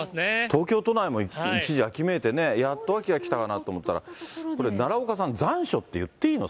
東京都内も一時秋めいてね、やっと秋が来たかなと思ったら、これ奈良岡さん、残暑って言っていいの？